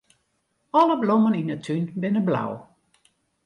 Alle blommen yn 'e tún binne blau.